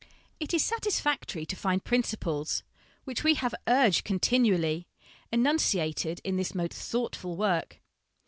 It is satisfactory to find principles, which we have urged continually, enunciated in this most thought ful work.